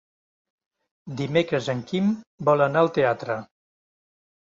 Dimecres en Quim vol anar al teatre.